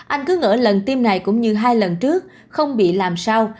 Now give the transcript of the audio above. anh cứ ngỡ lần tiêm này cũng như hai lần trước không bị làm sao